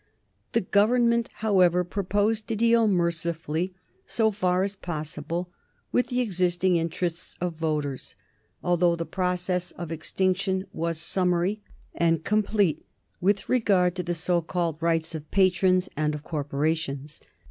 The Government, however, proposed to deal mercifully, so far as possible, with the existing interests of voters, although the process of extinction was summary and complete with regard to the so called rights of patrons and of corporations.